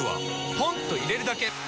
ポンと入れるだけ！